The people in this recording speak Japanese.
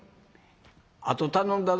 『あと頼んだぞ』